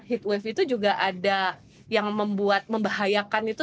heat wave itu juga ada yang membuat membahayakan itu